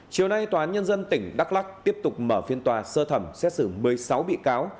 chiều nay tòa án nhân dân tỉnh đắk lắc tiếp tục mở phiên tòa sơ thẩm xét xử một mươi sáu bị cáo